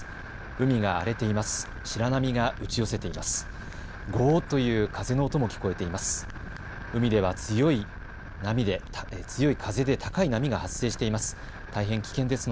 海が荒れています。